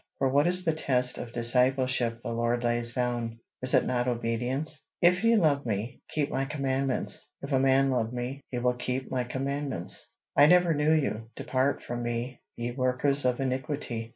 For what is the test of discipleship the Lord lays down? Is it not obedience? 'If ye love me, keep my commandments.' 'If a man love me, he will keep my commandments.' 'I never knew you: depart from me, ye workers of iniquity.'